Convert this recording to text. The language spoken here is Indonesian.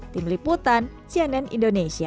tim liputan cnn indonesia